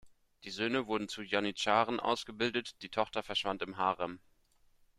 Die Söhne wurden zu Janitscharen ausgebildet, die Tochter verschwand im Harem.